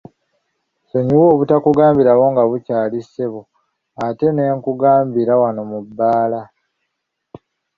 Nsonyiwa obutakugambirawo nga bukyali ssebo ate ne nkugambira wano mu bbaala.